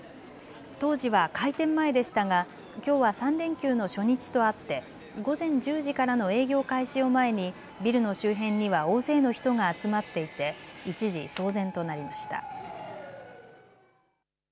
当時は開店前でしたがきょうは３連休の初日とあって午前１０時からの営業開始を前にビルの周辺には大勢の人が集まっていて一時、騒然となりました。